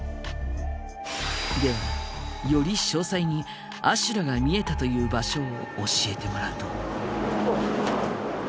ではより詳細に阿修羅が見えたという場所を教えてもらうと。